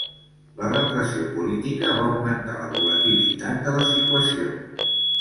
La repressió política va augmentar la volatilitat de la situació.